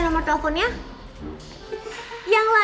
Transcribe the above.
kamu conclusion ada apa